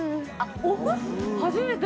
初めて！